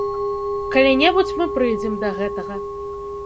Калі-небудзь мы прыйдзем да гэтага.